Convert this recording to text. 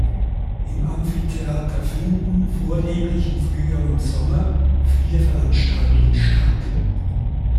Im Amphitheater finden, vornehmlich im Frühjahr und Sommer, viele Veranstaltungen statt.